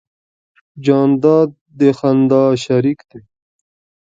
جانداد د خندا شریک دی.